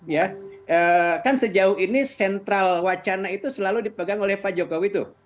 ya kan sejauh ini sentral wacana itu selalu dipegang oleh pak jokowi tuh